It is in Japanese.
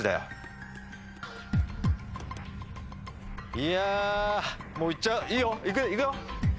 いやもう行っちゃういいよ。